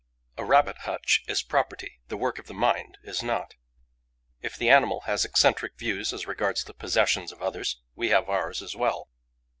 A rabbit hutch is property; the work of the mind is not. If the animal has eccentric views as regards the possessions of others, we have ours as well.